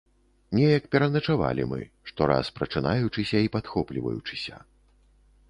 Неяк пераначавалі мы, штораз прачынаючыся і падхопліваючыся.